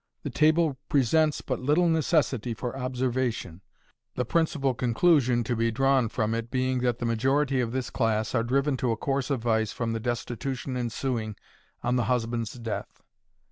The table presents but little necessity for observation, the principal conclusion to be drawn from it being that the majority of this class are driven to a course of vice from the destitution ensuing on the husband's death.